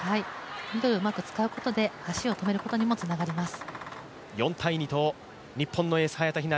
ミドルうまく使うことで足を止めることにもつながります。